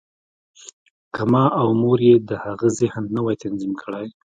که ما او مور یې د هغه ذهن نه وای تنظیم کړی